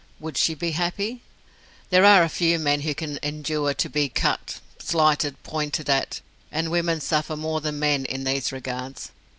Would she be happy? There are few men who can endure to be "cut", slighted, pointed at, and women suffer more than men in these regards.